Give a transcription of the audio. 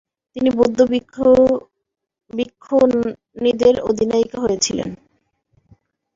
তিনি বৌদ্ধ ভিক্ষুণীদের অধিনায়িকা হয়েছিলেন।